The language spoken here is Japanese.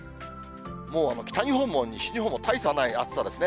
もう北日本も西日本も大差ない暑さですね。